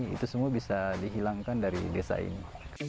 itu semua bisa dihilangkan dari desa ini